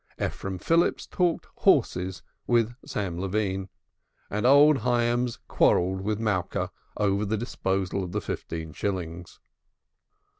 Ephraim Phillips talked horses with Sam Levine, and old Hyams quarrelled with Malka over the disposal of the fifteen shillings.